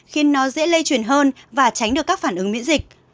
khiến nó dễ lây chuyển hơn và tránh được các phản ứng miễn dịch